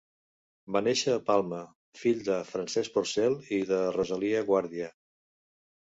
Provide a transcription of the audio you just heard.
Va néixer a Palma, fill de Francesc Porcell i de Rosalia Guàrdia.